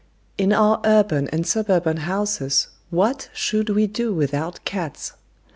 In our urban and suburban houses what should we do without cats?